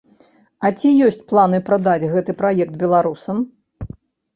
А ці ёсць планы прадаць гэты праект беларусам?